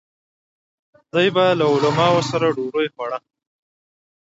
دوی به له علماوو سره ډوډۍ خوړه.